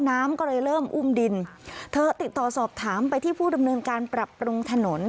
น้ำก็เลยเริ่มอุ้มดินเธอติดต่อสอบถามไปที่ผู้ดำเนินการปรับปรุงถนน